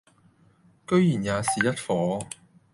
居然也是一夥；